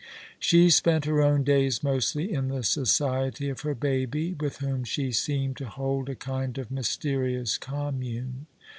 She spent her own days mostly in the society of her baby, with whom she seemed to hold a kind of mysterious commune.